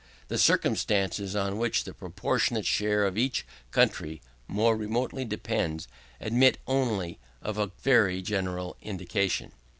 The circumstances on which the proportionate share of each country more remotely depends, admit only of a very general indication.